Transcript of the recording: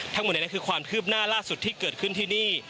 ทั้งหมดในนั้นคือความคืบหน้าล่าสุดที่เกิดขึ้นที่นี่